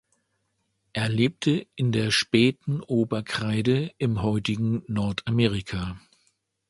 Er lebte in der späten Oberkreide im heutigen Nordamerika.